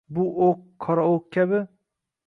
Bu o'q, qora o'q kabi